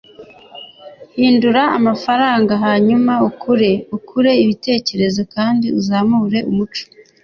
hindura amafaranga hanyuma ukure, ukure ibitekerezo kandi uzamure umuco